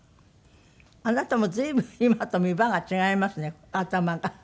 あなたも随分今と見場が違いますね頭が。